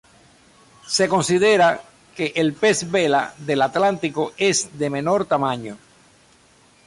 Se considera que el pez vela del Atlántico es de menor tamaño.